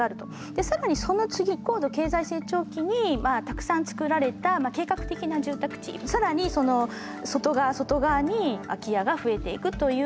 で更にその次高度経済成長期にたくさん造られた計画的な住宅地更にその外側外側に空き家が増えていくというような予測になっています。